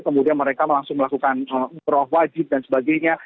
kemudian mereka langsung melakukan umroh wajib dan sebagainya